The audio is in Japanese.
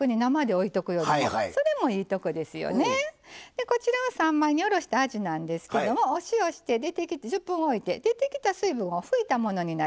でこちらは三枚におろしたあじなんですけどもお塩して１０分おいて出てきた水分を拭いたものになります。